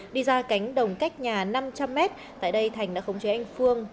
đi ra cánh đồng cách nhà năm trăm linh m tại đây thành đã khống chế anh phương